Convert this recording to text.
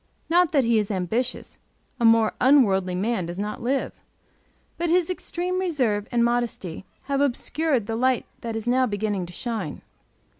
Not that he is ambitious; a more unworldly man does not live; but his extreme reserve and modesty have obscured the light that is now beginning to shine.